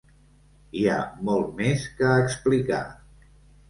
Hi ha molt més que explicar.